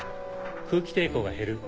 空気抵抗が減る。